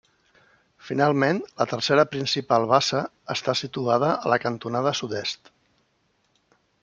Finalment la tercera principal bassa està situada a la cantonada sud-est.